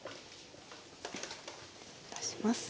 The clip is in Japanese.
出します。